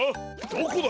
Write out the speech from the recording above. どこだ？